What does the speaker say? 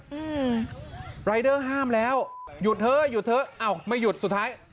อืมรายเดอร์ห้ามแล้วหยุดเถอะหยุดเถอะอ้าวไม่หยุดสุดท้าย